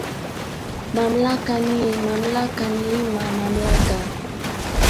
"Malmaka ni, mamlaka ni hima mamlaka"